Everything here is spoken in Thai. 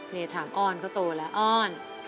นี่ทางอ้อนเขาโตแล้วอ้อน